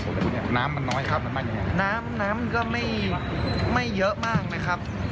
ส่วนแบบนี้น้ำมันน้อยครับน้ำน้ำก็ไม่ไม่เยอะมากนะครับ